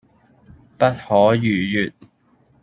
不可逾越